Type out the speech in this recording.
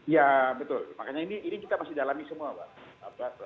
ya betul makanya ini kita masih dalami semua pak